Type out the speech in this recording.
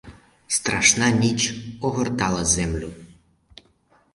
Страшна ніч огортала землю.